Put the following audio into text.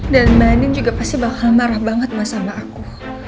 dan mbak andin juga pasti bakal marah banget sama aku